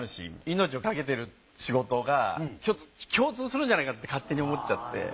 命をかけている仕事がちょっと共通するんじゃないかって勝手に思っちゃって。